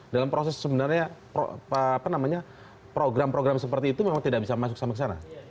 dalam proses sebenarnya program program seperti itu memang tidak bisa masuk sama ke sana